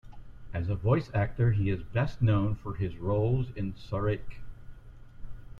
As a voice actor, he is best known for his roles in Soreike!